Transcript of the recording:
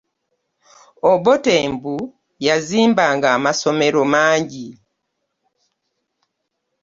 Obote mbu yazimbanga amasomero mangi.